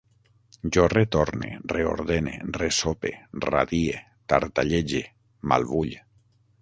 Jo retorne, reordene, ressope, radie, tartallege, malvull